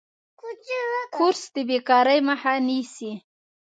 کورس د بیکارۍ مخه نیسي.